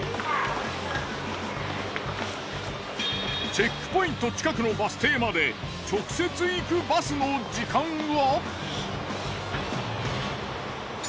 チェックポイント近くのバス停まで直接行くバスの時間は？